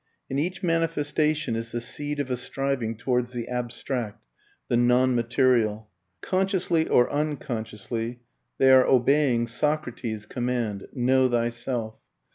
In each manifestation is the seed of a striving towards the abstract, the non material. Consciously or unconsciously they are obeying Socrates' command Know thyself.